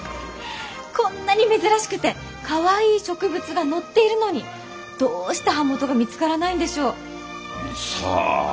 こんなに珍しくてかわいい植物が載っているのにどうして版元が見つからないんでしょう？さあ？